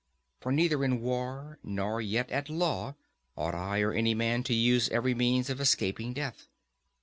For neither in war nor yet at law ought I or any man to use every way of escaping death.